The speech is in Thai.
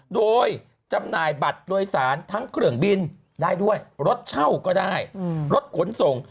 โดยจำหน่ายบัตรโดยสารทั้งเครื่องบินได้ด้วยรถเช่าก็ได้รถขนส่ง